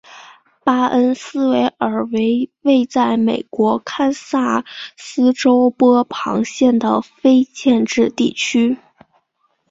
巴恩斯维尔为位在美国堪萨斯州波旁县的非建制地区。